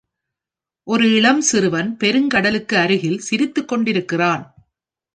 ஒரு இளம் சிறுவன் பெருங்கடலுக்கு அருகில் சிரித்துக் கொண்டிருக்கிறான்.